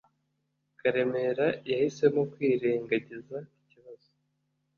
Karemera yahisemo kwirengagiza ikibazo.